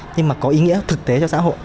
nhưng mà có ý nghĩa thực tế cho xã hội